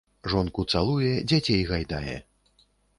Жонку цалуе, дзяцей гайдае.